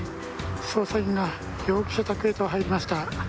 捜査員が容疑者宅へと入りました。